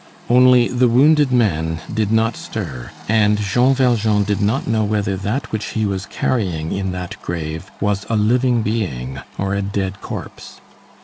Only, the wounded man did not stir, and Jean Valjean did not know whether that which he was carrying in that grave was a living being or a dead corpse.